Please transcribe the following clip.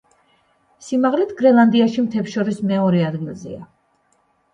სიმაღლით გრენლანდიაში მთებს შორის მეორე ადგილზეა.